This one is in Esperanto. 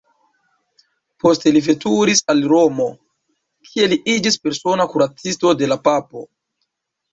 Poste li veturis al Romo, kie li iĝis persona kuracisto de la Papo.